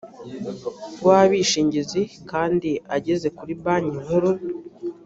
w abishingizi kandi ageza kuri banki nkuru